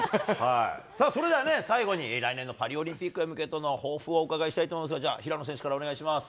さあ、それでは最後に来年のパリオリンピックに向けての抱負をお伺いしたいと思いますが、じゃあ、平野選手からお願いします。